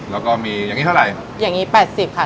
แล้วก็มีอย่างงี้เท่าไหร่อย่างงี้แปดสิบค่ะ